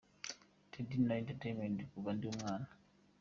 Daddy: Nari entertainer kuva ndi umwana.